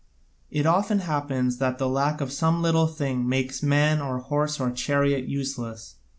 It often happens that the lack of some little thing makes man or horse or chariot useless.